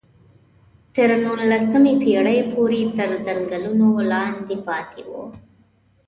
تر نولسمې پېړۍ پورې تر ځنګلونو لاندې پاتې وو.